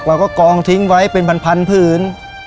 เราก็กองทิ้งไว้เป็นพันผื่น